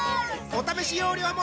お試し容量も